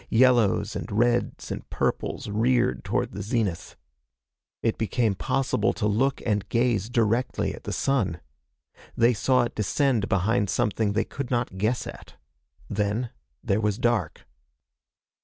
Yellows and reds and purples reared toward the zenith. It became possible to look and gaze directly at the sun. They saw it descend behind something they could not guess at. Then there was dark.